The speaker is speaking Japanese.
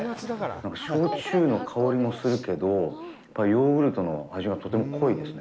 なんか焼酎の香りもするけど、やっぱりヨーグルトの味がとても濃いですね。